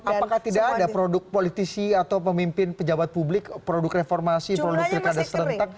apakah tidak ada produk politisi atau pemimpin pejabat publik produk reformasi produk pilkada serentak